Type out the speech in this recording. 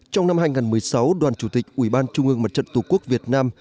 trong năm hai nghìn một mươi sáu đoàn chủ tịch ủy ban trung ương mặt trận tổ quốc việt nam